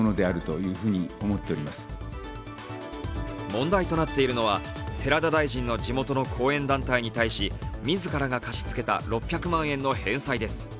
問題となっているのは、寺田大臣の地元の後援団体に対し自らが貸し付けた６００万円の返済です。